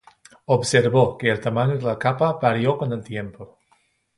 Observó que el tamaño de la capa varió con el tiempo.